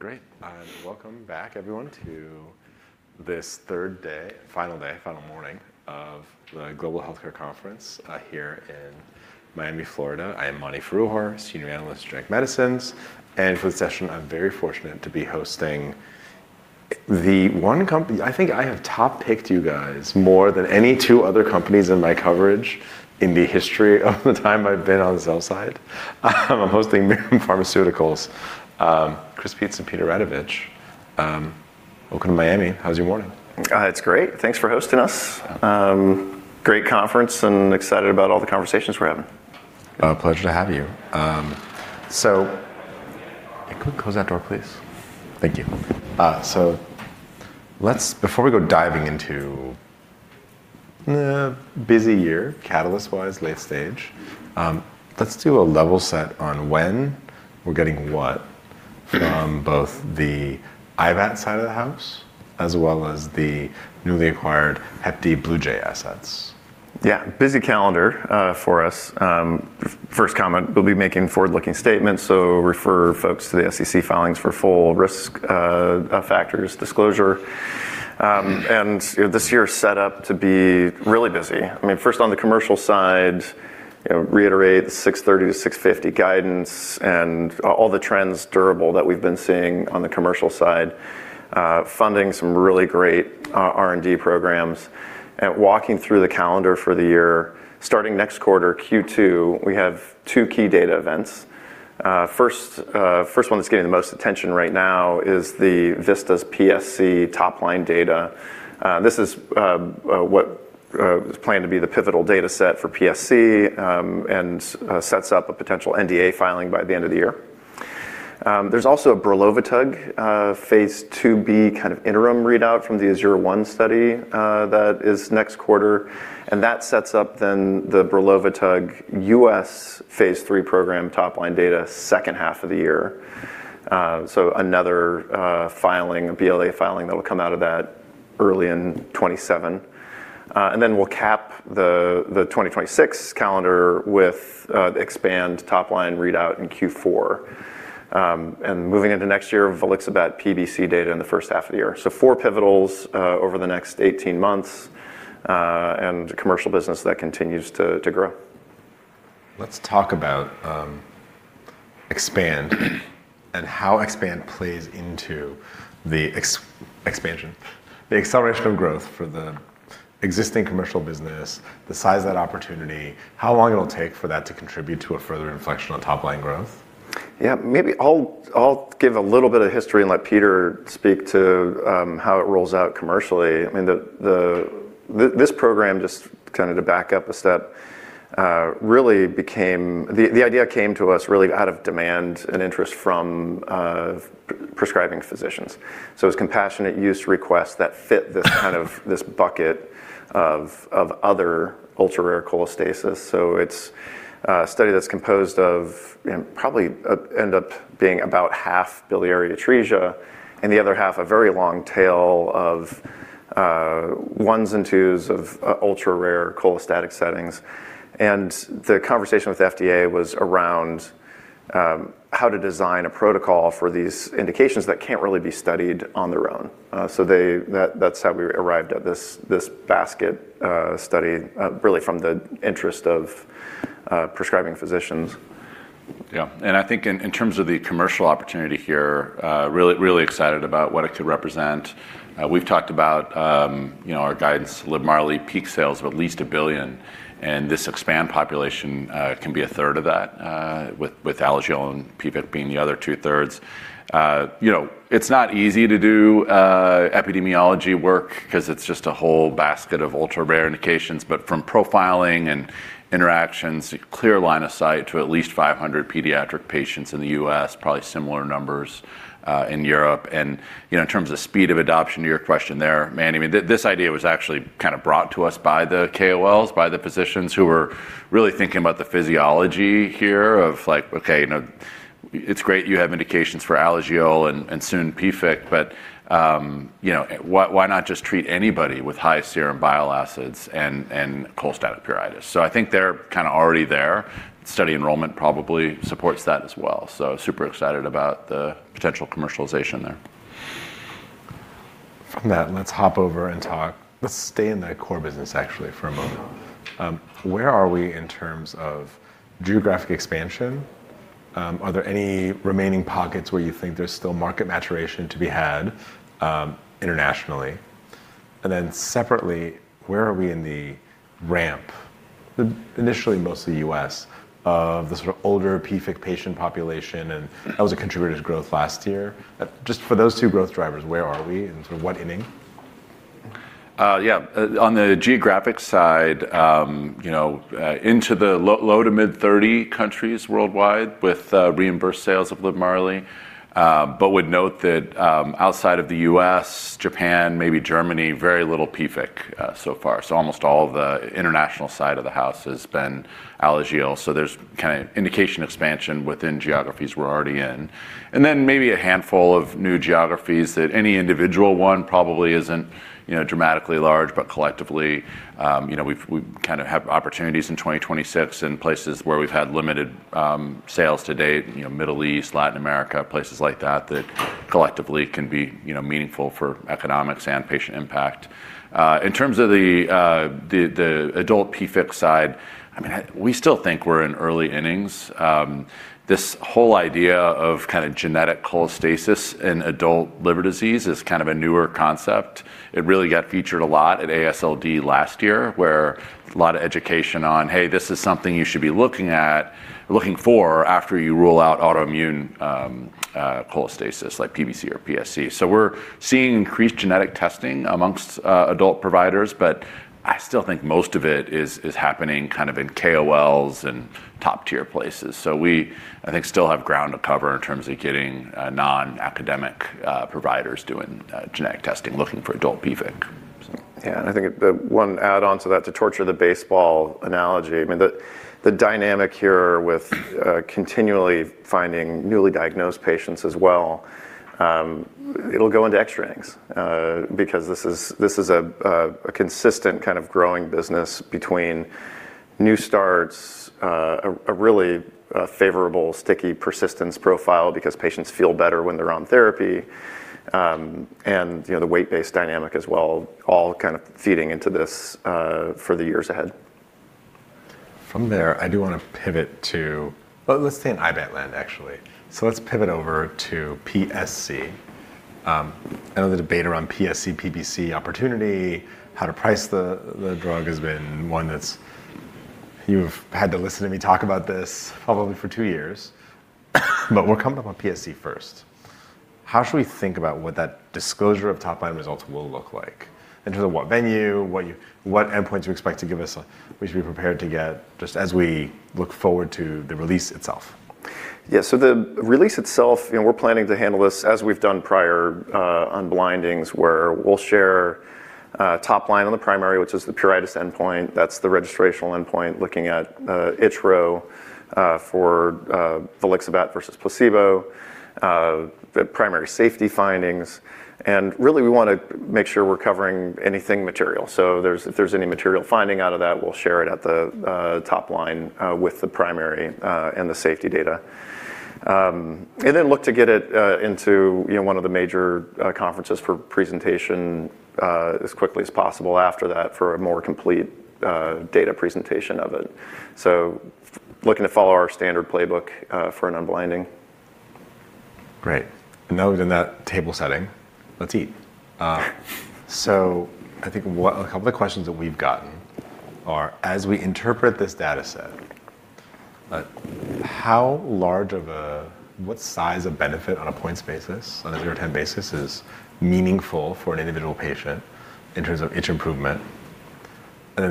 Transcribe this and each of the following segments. Great. Welcome back everyone to this third day, final day, final morning of the Global Healthcare Conference, here in Miami, Florida. I am Mani Foroohar, senior analyst at Leerink Partners, and for this session, I'm very fortunate to be hosting the one company, I think I have top picked you guys more than any two other companies in my coverage in the history of the time I've been on the sell side. I'm hosting Mirum Pharmaceuticals, Chris Peetz and Peter Radovich. Welcome to Miami. How's your morning? It's great. Thanks for hosting us. Great conference, and excited about all the conversations we're having. A pleasure to have you. Could you close that door, please? Thank you. Before we go diving into the busy year catalyst-wise, late stage, let's do a level set on when we're getting what from both the IBAT side of the house, as well as the newly acquired HDV Bluejay assets. Yeah, busy calendar for us. First comment, we'll be making forward-looking statements, so refer folks to the SEC filings for full risk factors disclosure. You know, this year is set up to be really busy. I mean, first on the commercial side, you know, reiterate the $630-$650 guidance and all the trends durable that we've been seeing on the commercial side, funding some really great R&D programs. Walking through the calendar for the year, starting next quarter, Q2, we have two key data events. First one that's getting the most attention right now is the VISTAS PSC top-line data. This is what was planned to be the pivotal data set for PSC, and sets up a potential NDA filing by the end of the year. There's also brelovitug phase 2b kind of interim readout from the AZURE-1 study that is next quarter. That sets up then the brelovitug U.S. phase 3 program top-line data second half of the year. Another filing, a BLA filing that will come out of that early in 2027. We'll cap the 2026 calendar with the EXPAND top-line readout in Q4. Moving into next year, volixibat PBC data in the first half of the year. Four pivotals over the next 18 months and a commercial business that continues to grow. Let's talk about EXPAND and how EXPAND plays into the expansion the acceleration of growth for the existing commercial business, the size of that opportunity, how long it'll take for that to contribute to a further inflection on top-line growth. Yeah. Maybe I'll give a little bit of history and let Peter speak to how it rolls out commercially. I mean, this program, just kinda to back up a step, the idea came to us really out of demand and interest from prescribing physicians. It's compassionate use requests that fit this kind of, this bucket of other ultra-rare cholestasis. It's a study that's composed of, you know, probably end up being about half biliary atresia, and the other half a very long tail of ones and twos of ultra-rare cholestatic settings. The conversation with the FDA was around how to design a protocol for these indications that can't really be studied on their own. That's how we arrived at this basket study, really from the interest of prescribing physicians. I think in terms of the commercial opportunity here, really excited about what it could represent. We've talked about, you know, our guidance LIVMARLI peak sales of at least $1 billion, and this EXPAND population can be a third of that, with Alagille and PFIC being the other two-thirds. You know, it's not easy to do epidemiology work 'cause it's just a whole basket of ultra-rare indications. From profiling and interactions, a clear line of sight to at least 500 pediatric patients in the U.S., probably similar numbers in Europe. You know, in terms of speed of adoption, to your question there, Manny, I mean, this idea was actually kinda brought to us by the KOLs, by the physicians who were really thinking about the physiology here of like, okay, you know, it's great you have indications for Alagille and soon PFIC, but, you know, why not just treat anybody with high serum bile acids and cholestatic pruritus? I think they're kinda already there. Study enrollment probably supports that as well. Super excited about the potential commercialization there. Let's stay in the core business actually for a moment. Where are we in terms of geographic expansion? Are there any remaining pockets where you think there's still market maturation to be had, internationally? Then separately, where are we in the ramp, initially mostly U.S., of the sort of older PFIC patient population, and that was a contributor to growth last year? Just for those two growth drivers, where are we, and sort of what inning? Yeah. On the geographic side, you know, into the low to mid-30 countries worldwide with reimbursed sales of LIVMARLI. Would note that, outside of the U.S., Japan, maybe Germany, very little PFIC so far. Almost all the international side of the house has been Alagille. There's kinda indication expansion within geographies we're already in. Then maybe a handful of new geographies that any individual one probably isn't, you know, dramatically large, but collectively, you know, we kinda have opportunities in 2026 in places where we've had limited sales to date, you know, Middle East, Latin America, places like that collectively can be, you know, meaningful for economics and patient impact. In terms of the adult PFIC side, I mean, we still think we're in early innings. This whole idea of kinda genetic cholestasis in adult liver disease is kind of a newer concept. It really got featured a lot at AASLD last year, where a lot of education on, "Hey, this is something you should be looking at, looking for after you rule out autoimmune cholestasis, like PBC or PSC." We're seeing increased genetic testing among adult providers, but I still think most of it is happening kind of in KOLs and top-tier places. We, I think, still have ground to cover in terms of getting non-academic providers doing genetic testing, looking for adult PFIC. Yeah, I think the one add-on to that, to torture the baseball analogy, I mean, the dynamic here with continually finding newly diagnosed patients as well, it'll go into extra innings, because this is a consistent kind of growing business between new starts, a really favorable, sticky persistence profile because patients feel better when they're on therapy, and, you know, the weight-based dynamic as well all kind of feeding into this for the years ahead. From there, I do want to pivot to. Well, let's stay in IBAT land, actually. Let's pivot over to PSC. I know the debate around PSC, PBC opportunity, how to price the drug has been one that's. You've had to listen to me talk about this probably for two years. We'll come up on PSC first. How should we think about what that disclosure of top-line results will look like in terms of what venue, what endpoints you expect to give us, what we should be prepared to get just as we look forward to the release itself? Yeah, the release itself, you know, we're planning to handle this as we've done prior unblindings, where we'll share top line on the primary, which is the pruritus endpoint. That's the registrational endpoint, looking at ItchRO for volixibat versus placebo, the primary safety findings, and really we wanna make sure we're covering anything material. If there's any material finding out of that, we'll share it at the top line with the primary and the safety data. And then look to get it into, you know, one of the major conferences for presentation as quickly as possible after that for a more complete data presentation of it. Looking to follow our standard playbook for an unblinding. Great. Now that we're done with that table setting, let's eat. I think a couple of the questions that we've gotten are, as we interpret this data set, like, what size of benefit on a points basis, on a zero to 10 basis, is meaningful for an individual patient in terms of itch improvement?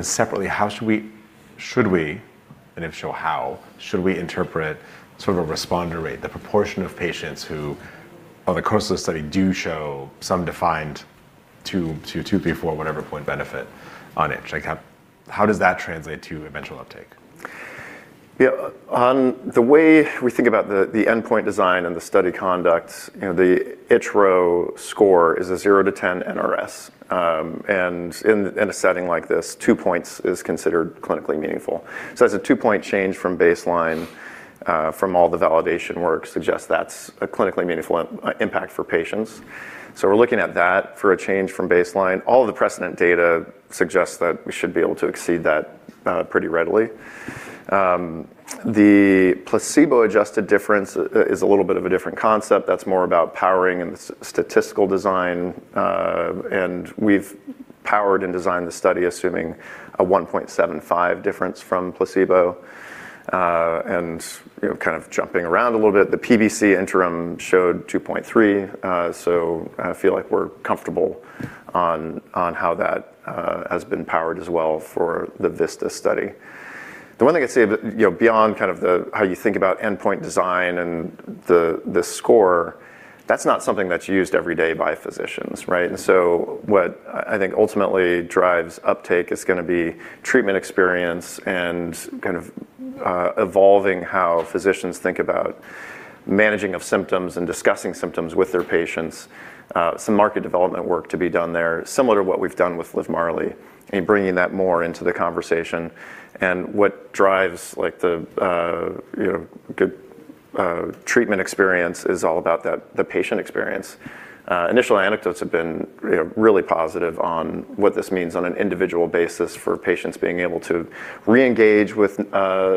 Separately, should we, and if so, how should we interpret sort of a responder rate, the proportion of patients who, over the course of the study, do show some defined two, three, four, whatever point benefit on itch? Like, how does that translate to eventual uptake? Yeah. On the way we think about the endpoint design and the study conduct, you know, the ItchRO score is a zero to 10 NRS. In a setting like this, two points is considered clinically meaningful. As a two-point change from baseline, from all the validation work suggests that's a clinically meaningful impact for patients. We're looking at that for a change from baseline. All of the precedent data suggests that we should be able to exceed that pretty readily. The placebo-adjusted difference is a little bit of a different concept. That's more about powering and statistical design. We've powered and designed the study assuming a 1.75 difference from placebo. You know, kind of jumping around a little bit, the PBC interim showed 2.3, so I feel like we're comfortable on how that has been powered as well for the VISTAS study. The one thing I'd say, you know, beyond kind of how you think about endpoint design and the score, that's not something that's used every day by physicians, right? What I think ultimately drives uptake is gonna be treatment experience and kind of evolving how physicians think about managing of symptoms and discussing symptoms with their patients. Some market development work to be done there, similar to what we've done with LIVMARLI, in bringing that more into the conversation. What drives, like, you know, good treatment experience is all about the patient experience. Initial anecdotes have been, you know, really positive on what this means on an individual basis for patients being able to reengage with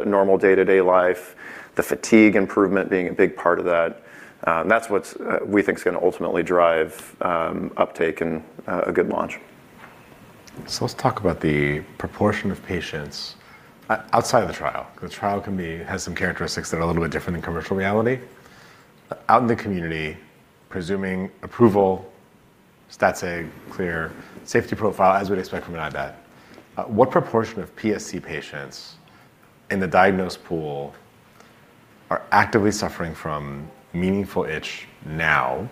normal day-to-day life, the fatigue improvement being a big part of that. That's what we think is gonna ultimately drive uptake and a good launch. Let's talk about the proportion of patients outside of the trial, because the trial has some characteristics that are a little bit different than commercial reality. Out in the community, presuming approval, stats say clear safety profile as we'd expect from an IBAT. What proportion of PSC patients in the diagnosed pool are actively suffering from meaningful itch now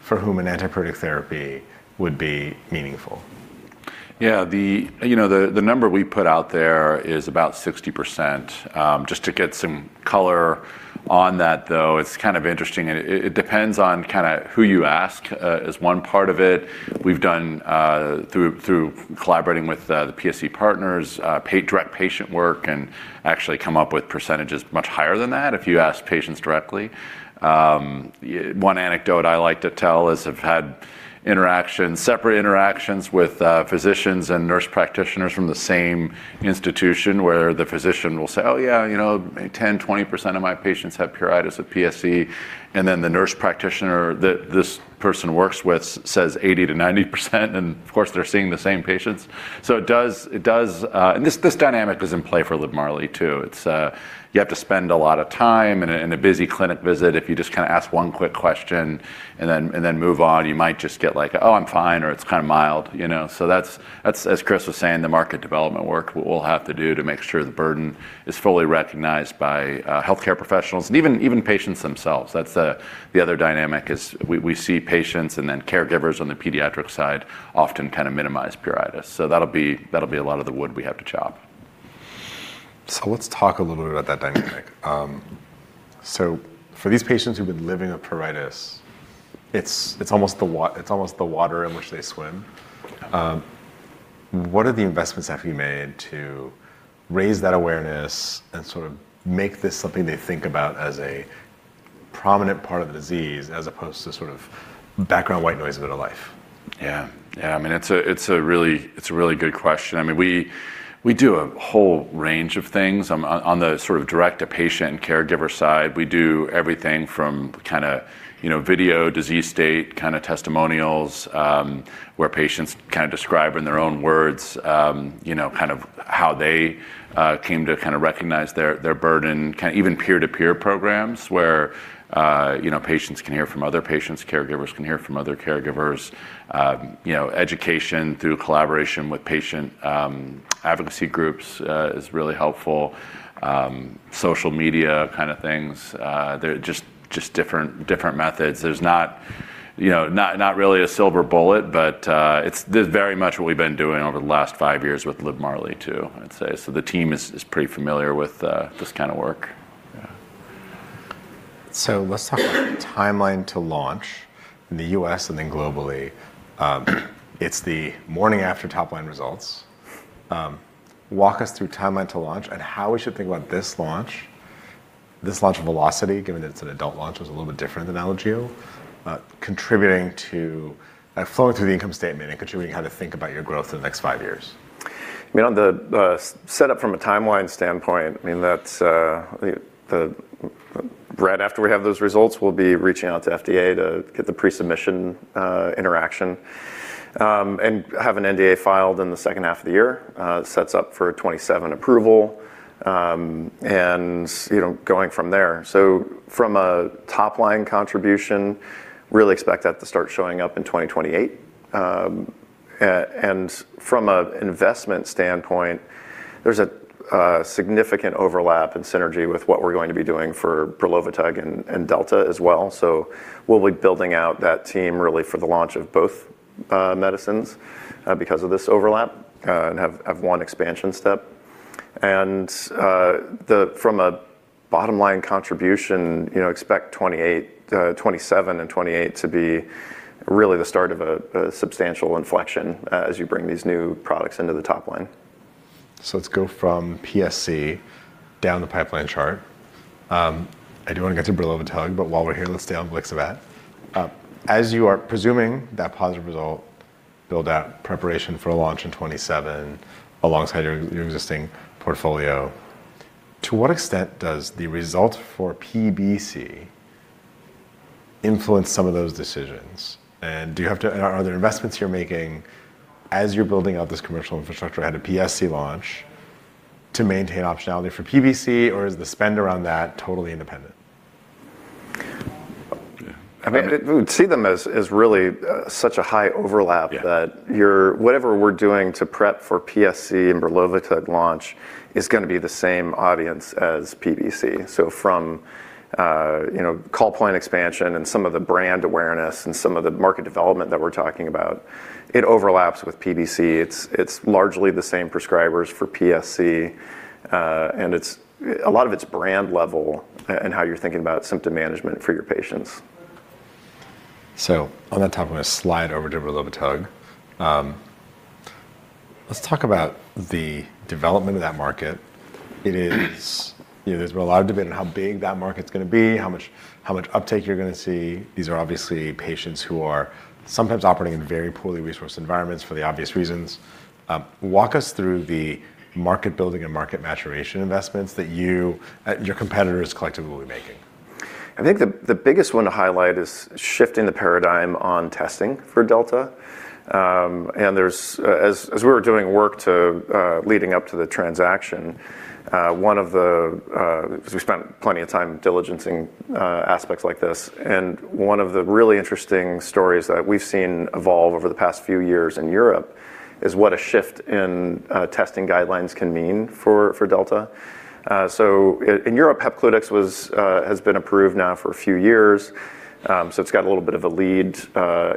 for whom an antipruritic therapy would be meaningful? Yeah, you know, the number we put out there is about 60%. Just to get some color on that, though, it's kind of interesting and it depends on kinda who you ask, as one part of it. We've done through collaborating with the PSC Partners direct patient work and actually come up with percentages much higher than that if you ask patients directly. One anecdote I like to tell is I've had interactions, separate interactions with physicians and nurse practitioners from the same institution where the physician will say, "Oh, yeah, you know, 10, 20% of my patients have pruritus of PSC," and then the nurse practitioner that this person works with says 80%-90%, and of course, they're seeing the same patients. It does. This dynamic is in play for LIVMARLI too. It's you have to spend a lot of time in a busy clinic visit. If you just kinda ask one quick question and then move on, you might just get like, "Oh, I'm fine," or, "It's kinda mild," you know. That's as Chris was saying, the market development work we'll have to do to make sure the burden is fully recognized by healthcare professionals and even patients themselves. That's the other dynamic is we see patients and then caregivers on the pediatric side often kinda minimize pruritus. That'll be a lot of the wood we have to chop. Let's talk a little bit about that dynamic. For these patients who've been living with pruritus, it's almost the water in which they swim. What are the investments have you made to raise that awareness and sort of make this something they think about as a prominent part of the disease as opposed to sort of background white noise of their life? Yeah. I mean, it's a really good question. I mean, we do a whole range of things. On the sort of direct to patient and caregiver side, we do everything from kinda, you know, video disease state kinda testimonials, where patients kinda describe in their own words, you know, kind of how they came to kinda recognize their burden. Even peer-to-peer programs where, you know, patients can hear from other patients, caregivers can hear from other caregivers. You know, education through collaboration with patient advocacy groups is really helpful. Social media kinda things. They're just different methods. There's not, you know, not really a silver bullet, but it's this very much what we've been doing over the last five years with LIVMARLI too, I'd say. The team is pretty familiar with this kinda work. Yeah. Let's talk about timeline to launch in the US and then globally. It's the morning after top-line results. Walk us through timeline to launch and how we should think about this launch. This launch velocity, given it's an adult launch, was a little bit different than Alagille, contributing to, flowing through the income statement and contributing how to think about your growth in the next five years. I mean, on the set up from a timeline standpoint, I mean, that's right after we have those results, we'll be reaching out to FDA to get the pre-submission interaction, and have an NDA filed in the second half of the year. Sets up for 2027 approval, and you know, going from there. From a top-line contribution, really expect that to start showing up in 2028. And from an investment standpoint, there's a significant overlap and synergy with what we're going to be doing for brelovitug and Delta as well. We'll be building out that team really for the launch of both medicines because of this overlap and have one expansion step. From a bottom-line contribution, you know, expect 2027 and 2028 to be really the start of a substantial inflection as you bring these new products into the top line. Let's go from PSC down the pipeline chart. I do wanna get to brelovitug, but while we're here, let's stay on volixibat. As you are presuming that positive result build out preparation for a launch in 2027 alongside your existing portfolio, to what extent does the result for PBC influence some of those decisions? Are there investments you're making as you're building out this commercial infrastructure ahead of PSC launch to maintain optionality for PBC or is the spend around that totally independent? I mean, we would see them as really such a high overlap. Yeah That whatever we're doing to prep for PSC and volixibat launch is gonna be the same audience as PBC. From, you know, call point expansion and some of the brand awareness and some of the market development that we're talking about, it overlaps with PBC. It's largely the same prescribers for PSC, and it's a lot of it's brand level and how you're thinking about symptom management for your patients. On that topic, I'm gonna slide over to brelovitug. Let's talk about the development of that market. It is, you know, there's been a lot of debate on how big that market's gonna be, how much uptake you're gonna see. These are obviously patients who are sometimes operating in very poorly resourced environments for the obvious reasons. Walk us through the market building and market maturation investments that you, your competitors collectively will be making. I think the biggest one to highlight is shifting the paradigm on testing for delta. There's, as we were doing work leading up to the transaction, one of the 'cause we spent plenty of time diligencing aspects like this, and one of the really interesting stories that we've seen evolve over the past few years in Europe is what a shift in testing guidelines can mean for delta. In Europe, Hepcludex has been approved now for a few years, so it's got a little bit of a lead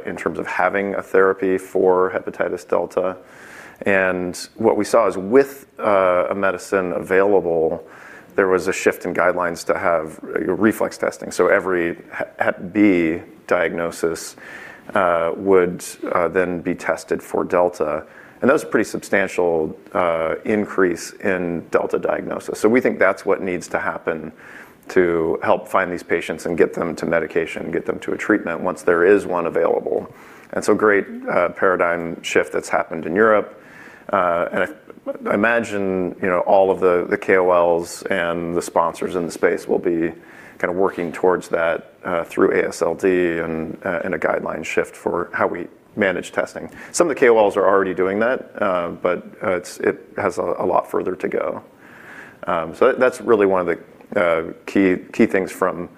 in terms of having a therapy for hepatitis delta. What we saw is with a medicine available, there was a shift in guidelines to have reflex testing, so every hep B diagnosis would then be tested for delta, and that was a pretty substantial increase in delta diagnosis. We think that's what needs to happen to help find these patients and get them to medication, get them to a treatment once there is one available. Great paradigm shift that's happened in Europe. I imagine, you know, all of the KOLs and the sponsors in the space will be kinda working towards that through AASLD and in a guideline shift for how we manage testing. Some of the KOLs are already doing that, but it has a lot further to go. That's really one of the key things from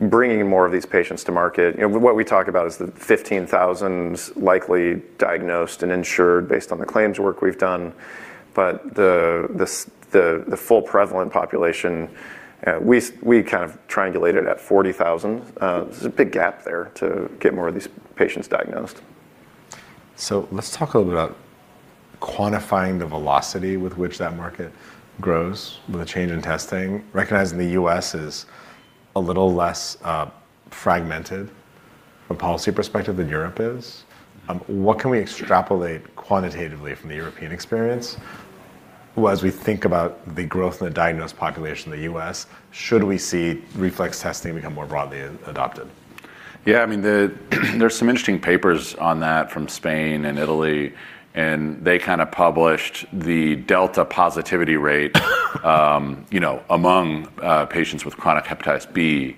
bringing more of these patients to market. You know, what we talk about is the 15,000 likely diagnosed and insured based on the claims work we've done. The full prevalent population, we kind of triangulated at 40,000. There's a big gap there to get more of these patients diagnosed. Let's talk a little bit about quantifying the velocity with which that market grows with a change in testing, recognizing the U.S. is a little less fragmented from a policy perspective than Europe is. What can we extrapolate quantitatively from the European experience as we think about the growth in the diagnosed population in the U.S.? Should we see reflex testing become more broadly adopted? Yeah, I mean, there's some interesting papers on that from Spain and Italy, and they kind of published the delta positivity rate, you know, among patients with chronic hepatitis B,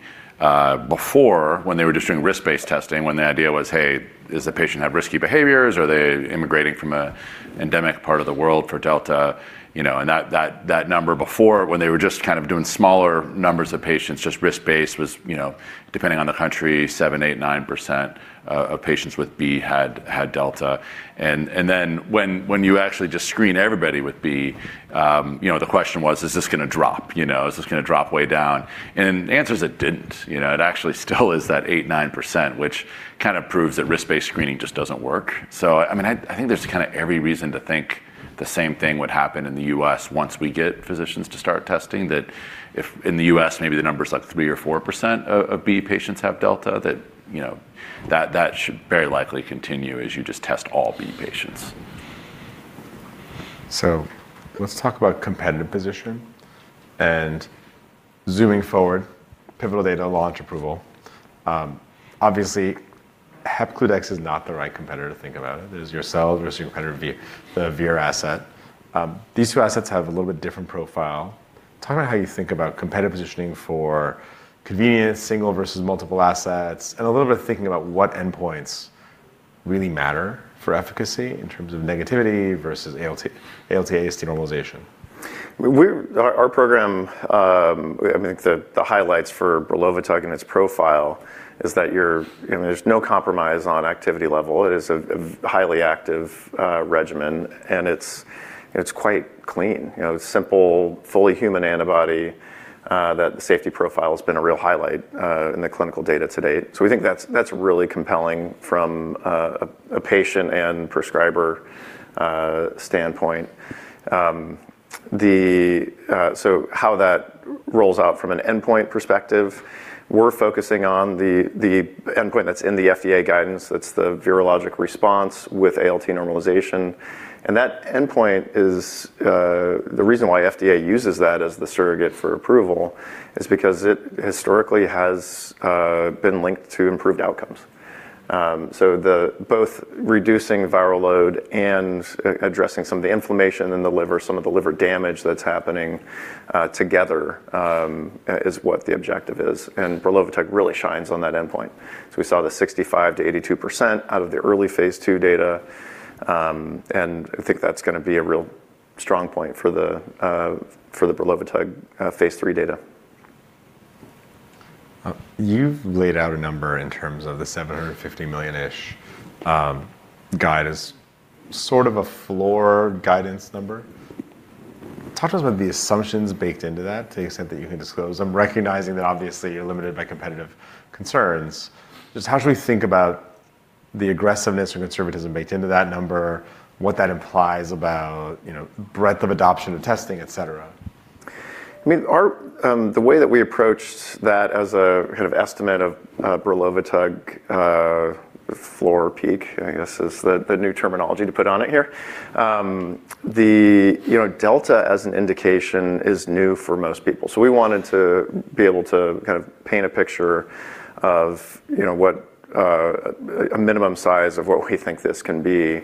before, when they were just doing risk-based testing, when the idea was, "Hey, does the patient have risky behaviors? Are they immigrating from an endemic part of the world for delta?" You know, and that number before, when they were just kind of doing smaller numbers of patients, just risk-based, was, you know, depending on the country, 7%, 8%, 9% of patients with B had delta. Then when you actually just screen everybody with B, you know, the question was, "Is this gonna drop?" You know, "Is this gonna drop way down?" The answer is it didn't. You know, it actually still is that 8%-9%, which kind of proves that risk-based screening just doesn't work. I mean, I think there's kind of every reason to think the same thing would happen in the U.S. once we get physicians to start testing, that if in the U.S. maybe the number is, like, 3% or 4% of B patients have delta, that, you know, that should very likely continue as you just test all B patients. Let's talk about competitive position and zooming forward, pivotal data, launch approval. Obviously, Hepcludex is not the right competitor to think about. There's yours, there's your competitor, the Vir asset. These two assets have a little bit different profile. Talk about how you think about competitive positioning for convenience, single versus multiple assets, and a little bit of thinking about what endpoints really matter for efficacy in terms of HDV negativity versus ALT AST normalization. Our program, I think the highlights for brelovitug and its profile is that you're, you know, there's no compromise on activity level. It is a highly active regimen, and it's quite clean, you know. Simple, fully human antibody, that the safety profile has been a real highlight in the clinical data to date. We think that's really compelling from a patient and prescriber standpoint. How that rolls out from an endpoint perspective, we're focusing on the endpoint that's in the FDA guidance. That's the virologic response with ALT normalization, and that endpoint is the reason why FDA uses that as the surrogate for approval is because it historically has been linked to improved outcomes. Both reducing viral load and addressing some of the inflammation in the liver, some of the liver damage that's happening, together, is what the objective is, and brelovitug really shines on that endpoint. We saw the 65%-82% out of the early phase 2 data, and I think that's gonna be a real strong point for the brelovitug phase 3 data. You've laid out a number in terms of the $750 million-ish guidance as sort of a floor guidance number. Talk to us about the assumptions baked into that to the extent that you can disclose them. Recognizing that obviously you're limited by competitive concerns. Just how should we think about the aggressiveness or conservatism baked into that number, what that implies about, you know, breadth of adoption of testing, et cetera? I mean, the way that we approached that as a kind of estimate of brelovitug floor peak, I guess is the new terminology to put on it here. You know, delta as an indication is new for most people, so we wanted to be able to kind of paint a picture of what a minimum size of what we think this can be,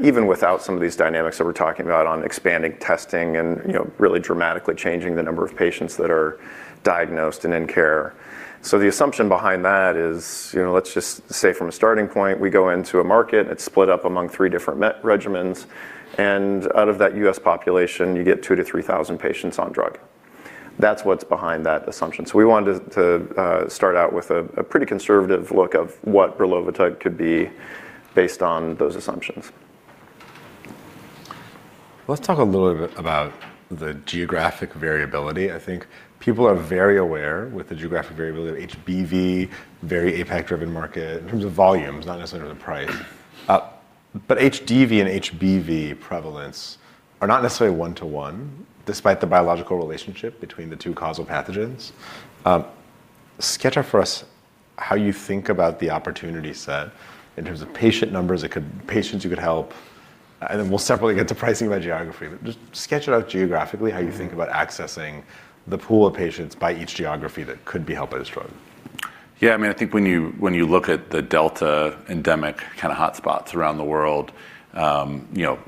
even without some of these dynamics that we're talking about on expanding testing and, you know, really dramatically changing the number of patients that are diagnosed and in care. The assumption behind that is, you know, let's just say from a starting point, we go into a market, it's split up among three different med regimens, and out of that U.S. population, you get two to three thousand patients on drug. That's what's behind that assumption. We wanted to start out with a pretty conservative look of what brelovitug could be based on those assumptions. Let's talk a little bit about the geographic variability. I think people are very aware of the geographic variability of HBV, very APAC-driven market in terms of volumes, not necessarily the price. HDV and HBV prevalence are not necessarily one-to-one, despite the biological relationship between the two causal pathogens. Sketch out for us how you think about the opportunity set in terms of patient numbers, patients you could help, and then we'll separately get to pricing by geography. Just sketch it out geographically how you think about accessing the pool of patients by each geography that could be helped by this drug. Yeah, I mean, I think when you look at the delta endemic kind of hotspots around the world, you know,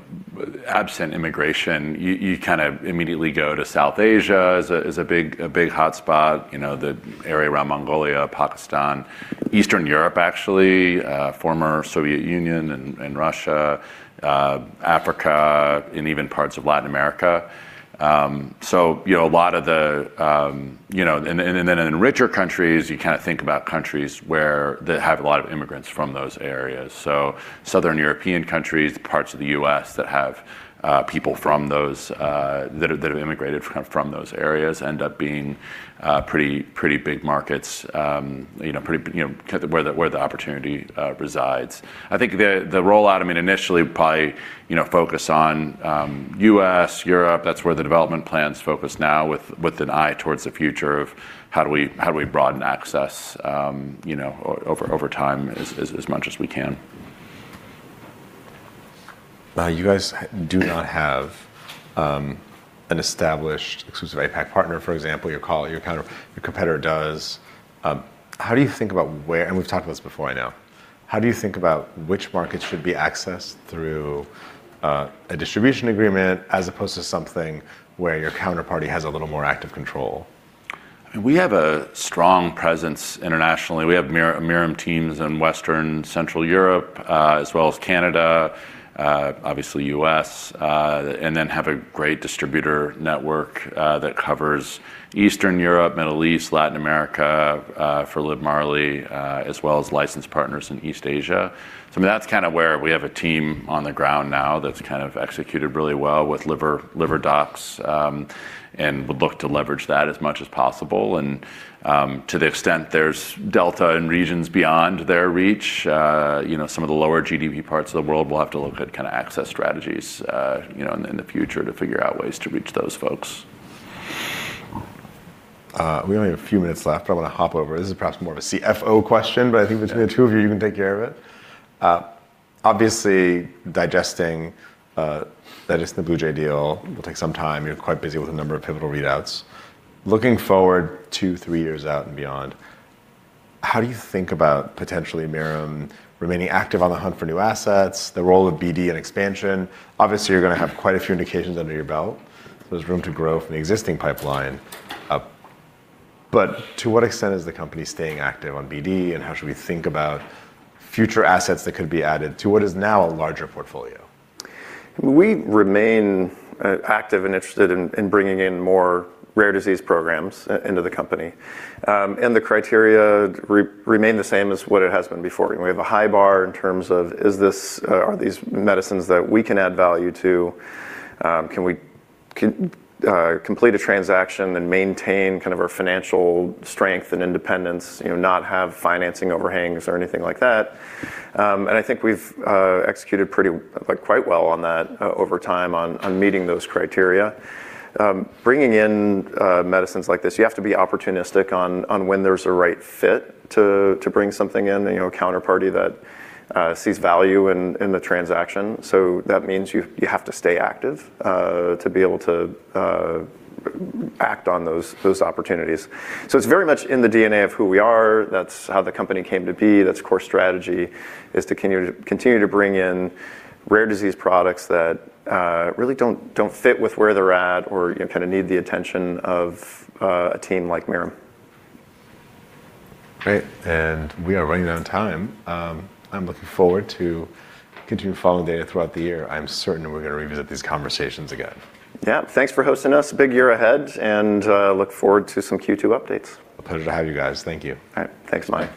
absent immigration, you kind of immediately go to South Asia as a big hotspot, you know, the area around Mongolia, Pakistan, Eastern Europe, actually, former Soviet Union and then in richer countries, you kind of think about countries where they have a lot of immigrants from those areas. Southern European countries, parts of the U.S. that have people from those that have immigrated from those areas end up being pretty big markets, you know, pretty you know kind of where the opportunity resides. I think the rollout, I mean, initially probably, you know, focus on U.S., Europe. That's where the development plan's focused now with an eye towards the future of how do we broaden access, you know, over time as much as we can. Now, you guys do not have an established exclusive APAC partner. For example, your competitor does. We've talked about this before, I know. How do you think about which markets should be accessed through a distribution agreement as opposed to something where your counterparty has a little more active control? I mean, we have a strong presence internationally. We have Mirum teams in Western, Central Europe, as well as Canada, obviously U.S., and then have a great distributor network, that covers Eastern Europe, Middle East, Latin America, for LIVMARLI, as well as licensed partners in East Asia. I mean, that's kind of where we have a team on the ground now that's kind of executed really well with liver docs, and would look to leverage that as much as possible. To the extent there's delta in regions beyond their reach, you know, some of the lower GDP parts of the world, we'll have to look at kind of access strategies, you know, in the future to figure out ways to reach those folks. We only have a few minutes left. I want to hop over. This is perhaps more of a CFO question. Okay I think between the two of you can take care of it. Obviously digesting the Bluejay deal will take some time. You're quite busy with a number of pivotal readouts. Looking forward two, three years out and beyond, how do you think about potentially Mirum remaining active on the hunt for new assets, the role of BD and expansion? Obviously, you're gonna have quite a few indications under your belt, so there's room to grow from the existing pipeline. To what extent is the company staying active on BD, and how should we think about future assets that could be added to what is now a larger portfolio? We remain active and interested in bringing in more rare disease programs into the company. The criteria remain the same as what it has been before. We have a high bar in terms of, is this, are these medicines that we can add value to? Can we complete a transaction and maintain kind of our financial strength and independence, you know, not have financing overhangs or anything like that? I think we've executed pretty, like, quite well on that over time on meeting those criteria. Bringing in medicines like this, you have to be opportunistic on when there's a right fit to bring something in, you know, a counterparty that sees value in the transaction. That means you have to stay active to be able to act on those opportunities. It's very much in the DNA of who we are. That's how the company came to be. That's core strategy, is to continue to bring in rare disease products that really don't fit with where they're at or, you know, kind of need the attention of a team like Mirum. Great. We are running out of time. I'm looking forward to continue following data throughout the year. I'm certain we're gonna revisit these conversations again. Yeah. Thanks for hosting us. Big year ahead, and look forward to some Q2 updates. A pleasure to have you guys. Thank you. All right. Thanks, Mani.